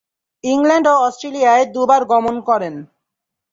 England ও অস্ট্রেলিয়ায় দুইবার গমন করেন।